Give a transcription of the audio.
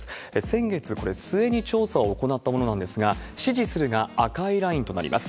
先月末に調査を行ったものなんですが、支持するが赤いラインとなります。